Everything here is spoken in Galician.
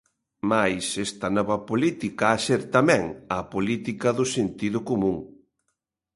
Mais, esta nova política ha ser, tamén, a política do sentido común.